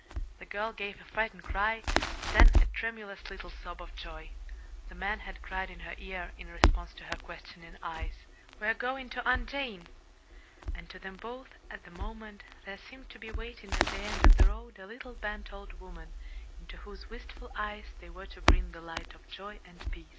The girl gave a frightened cry, then a tremulous little sob of joy. The man had cried in her ear, in response to her questioning eyes: "We're going to Aunt Jane!" And to them both, at the moment, there seemed to be waiting at the end of the road a little bent old woman, into whose wistful eyes they were to bring the light of joy and peace.